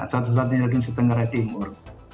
satu satunya lagi di setengah timur